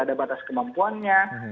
ada batas kemampuannya